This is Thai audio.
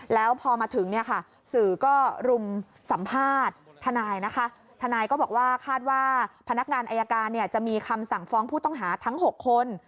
แล้วพอมาถึงเนี่ยค่ะสื่อก็รุมสัมภาษณ์ทนายนะคะทนายก็บอกว่าคาดว่าพนักงานอายการจะมีคำสั่งฟ้องผู้ต้องหาทั้ง๖คน